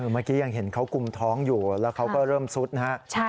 เมื่อกี้ยังเห็นเขากุมท้องอยู่แล้วเขาก็เริ่มซุดนะครับ